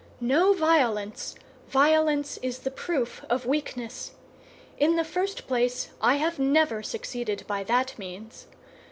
"No violence; violence is the proof of weakness. In the first place, I have never succeeded by that means.